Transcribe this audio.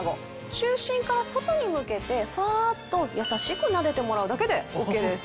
中心から外に向けてふわっとやさしくなでてもらうだけでＯＫです。